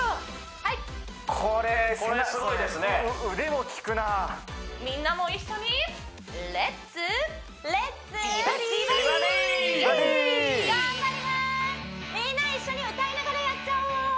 はいこれこれすごいですねみんなも一緒に頑張りまーすみんな一緒に歌いながらやっちゃおう！